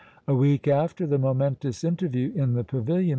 A week after the momentous interview in the pavilion M.